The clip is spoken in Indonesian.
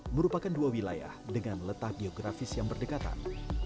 merupakan dua wilayah dengan letak geografis yang berdekatan